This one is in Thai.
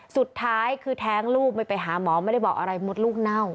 สุดท้ายคือแท้งลูกไม่ไปหาหมอไม่ได้บอกอะไรมดลูกเน่า